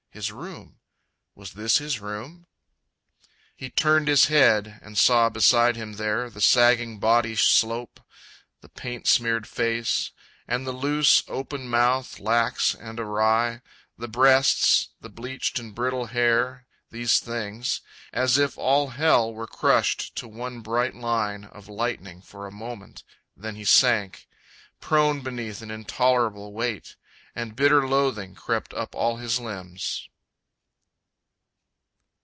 his room. Was this his room? ... He turned his head and saw beside him there The sagging body's slope, the paint smeared face, And the loose, open mouth, lax and awry, The breasts, the bleached and brittle hair... these things. ... As if all Hell were crushed to one bright line Of lightning for a moment. Then he sank, Prone beneath an intolerable weight. And bitter loathing crept up all his limbs.